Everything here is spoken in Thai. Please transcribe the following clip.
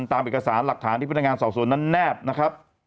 ตามเอกสารหลักฐานที่พนักงานสอบสวนนั้นแนบนะครับ